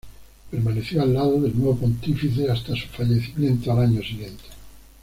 Permaneció al lado del nuevo pontífice hasta su fallecimiento al año siguiente.